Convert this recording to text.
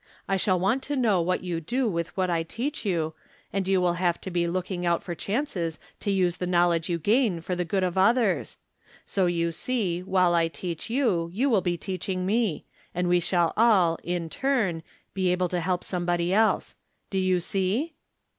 I shall want to know what you do with what I teach you, and you will have to be look ing out for chances to use the knowledge you gain for the good of others. So you see while I teach you, you will be teaching me, and we shall all, in turn, be able to help somebody else. Do you see